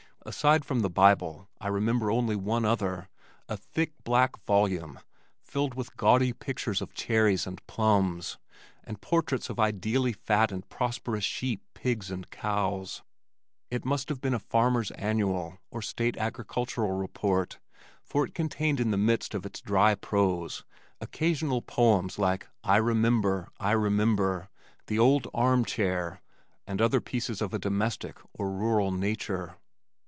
Aside from the Bible I remember only one other, a thick, black volume filled with gaudy pictures of cherries and plums, and portraits of ideally fat and prosperous sheep, pigs and cows. It must have been a Farmer's Annual or State agricultural report, but it contained in the midst of its dry prose, occasional poems like "I remember, I remember," "The Old Armchair" and other pieces of a domestic or rural nature.